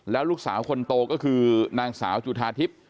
แล้วลูกสาวคนโตก็คือนางสาวจุธาทิพย์